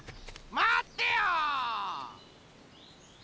まってよ！